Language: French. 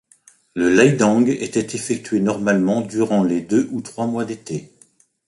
Le leidang était effectué normalement durant les deux ou trois mois d'été.